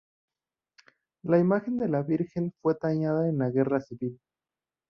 La imagen de la Virgen fue dañada en la Guerra Civil.